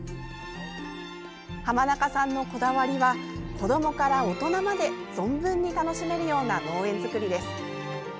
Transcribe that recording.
濱中さんのこだわりは子どもから大人まで存分に楽しめるような農園づくりです。